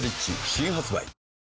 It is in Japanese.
新発売